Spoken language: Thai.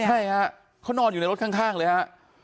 ใช่ฮะเขานอนอยู่ในรถข้างเลยฮะ